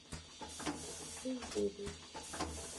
Manyalil Jebet